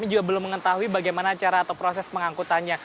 kami juga belum mengetahui bagaimana cara atau proses pengangkutannya